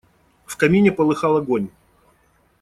В камине полыхал огонь.